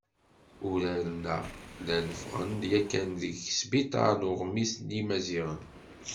Uraren-a llan ffɣen-d yakan deg yisebtar n Uɣmis n Yimaziɣen.